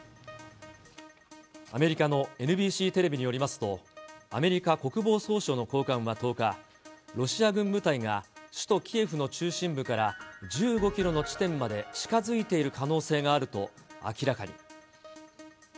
アメリカのＮＢＣテレビによりますと、アメリカ国防総省の高官は１０日、ロシア軍部隊が、首都キエフの中心部から１５キロの地点まで近づいている可能性があると明らかに。